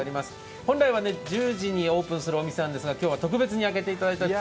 本来は１０時にオープンするお店なんですが今日は特別に開けていただいています。